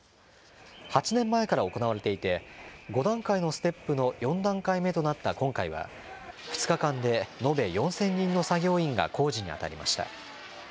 ８年前から行われていて、５段階のステップの４段階目となった今回は、２日間で延べ４０００人の作業員が工事に当たりました。